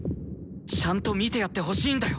ちゃんと見てやってほしいんだよ。